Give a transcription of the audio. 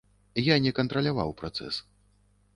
Я не кантраляваў працэс.